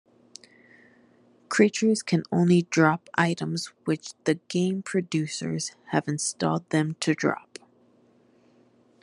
Creatures can only drop items which the game producers have installed them to drop.